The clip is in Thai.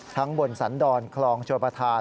ทั้งบนสันดรคลองชวรประทาน